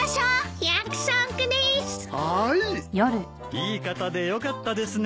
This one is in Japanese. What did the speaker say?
いい方でよかったですね。